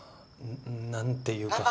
何ていうか。